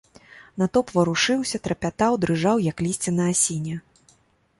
Натоўп варушыўся, трапятаў, дрыжаў, як лісце на асіне.